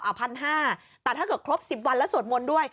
อ่าพันห้าแต่ถ้าเกิดครบสิบวันแล้วสวดมนต์ด้วย